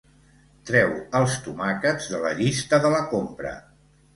Treu els tomàquets de la llista de la compra.